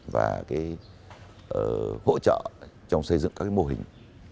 và hỗ trợ trong xây dựng các mô hình